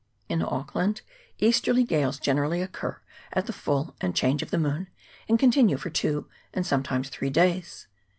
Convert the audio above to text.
In Auckland easterly gales generally occur at the full and change of the moon, and continue for two and sometimes three days.